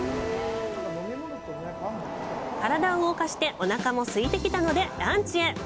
体を動かしておなかもすいてきたのでランチへ。